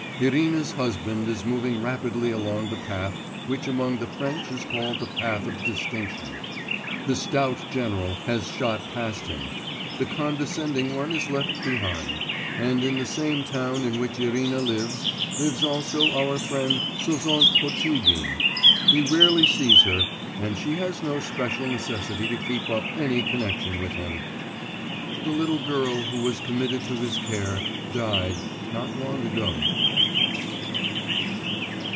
Irina's husband is moving rapidly along the path which among the French is called the path of distinction. The stout general has shot past him; the condescending one is left behind. And in the same town in which Irina lives, lives also our friend Sozont Potugin; he rarely sees her, and she has no special necessity to keep up any connection with him.... The little girl who was committed to his care died not long ago.